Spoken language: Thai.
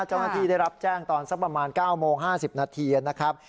เจ้าหน้าที่ได้รับแจ้งตอนสักประมาณ๙โมง๕๐นาทีนะครับ